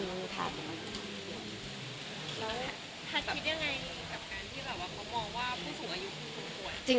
แล้วคุณคิดยังไงกับการที่เหล่าะเขามองว่าผู้สูงอายุคือผู้ป่วย